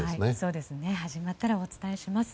始まったらお伝えします。